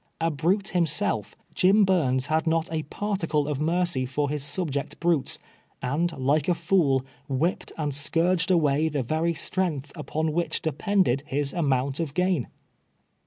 A brute himself, Jim Burns had not a particle of mercy for his subject brutes, and like a fool, whipped and scourged away the xd^vy strength upon which depend ed his amount of gain.